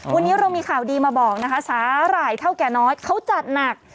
วันนี้เรามีข่าวดีมาบอกนะคะสาหร่ายเท่าแก่น้อยเขาจัดหนัก